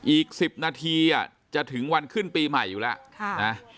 อีก๑๐นาทีจะถึงวันขึ้นปีใหม่อยู่แล้ว